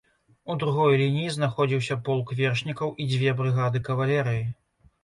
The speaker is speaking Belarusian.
У другой лініі знаходзіўся полк вершнікаў і дзве брыгады кавалерыі.